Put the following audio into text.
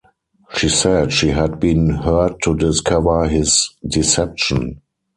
She said she had been hurt to discover his deception.